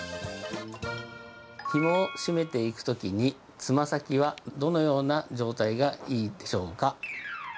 ひもを締めていくときにつま先はどのような状態がいいでしょうか？